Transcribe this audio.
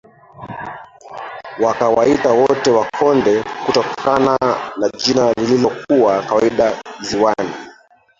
wakawaita wote Wakonde kutokana na jina lililokuwa kawaida ziwani